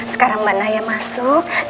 sekarang mbak naya masuk